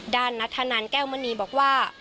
นัทธนันแก้วมณีบอกว่า